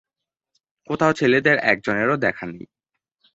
কোথাও ছেলেদের একজনেরও দেখা নেই।